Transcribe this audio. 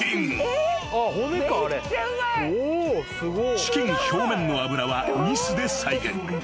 ［チキン表面の油はニスで再現］